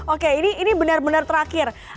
oke ini benar benar terakhir